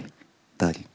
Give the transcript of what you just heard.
「ダーリン」。